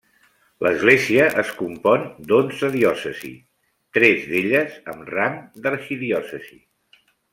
L'Església es compon d'onze diòcesis, tres d'elles amb rang d'arxidiòcesi.